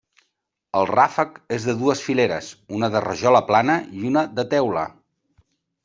El ràfec és de dues fileres, una de rajola plana i una de teula.